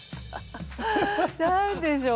何でしょう。